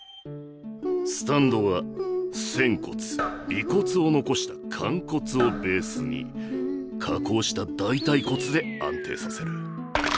スタンドは仙骨尾骨を残した寛骨をベースに加工した大腿骨で安定させる。